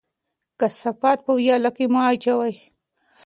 کثافات په ویاله کې مه اچوئ.